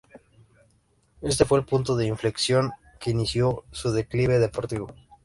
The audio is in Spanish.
Este fue el punto de inflexión que inició su declive deportivo.